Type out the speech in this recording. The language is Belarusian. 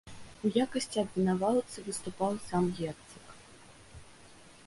У якасці абвінаваўцы выступаў сам герцаг.